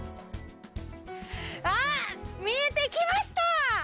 あぁ、見えてきました！